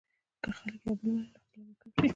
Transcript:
که خلک یو بل ومني، نو اختلاف به کم شي.